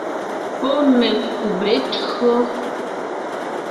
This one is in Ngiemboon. Pɔ́ mekùbe tÿǒ.